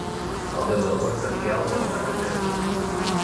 El deu d'agost en Quel vol anar a Gandesa.